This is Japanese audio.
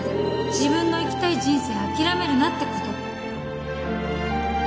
自分の生きたい人生諦めるなってこと